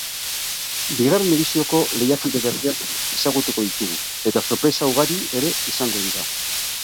Bigarren edizioko lehiakide berriak ezagutuko ditugu eta sorpresa ugari ere izango dira.